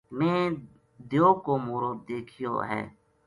میں دیو کو مورو دیکھیو ہے